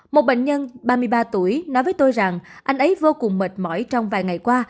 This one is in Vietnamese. một bệnh nhân ba mươi ba tuổi nói với tôi rằng anh ấy vô cùng mệt mỏi trong vài ngày qua